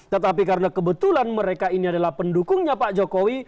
tetapi karena kebetulan mereka ini adalah pendukungnya pak jokowi